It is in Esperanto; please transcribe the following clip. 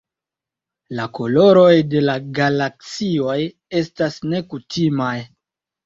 La koloroj de la galaksioj estas nekutimaj.